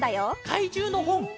かいじゅうのほん！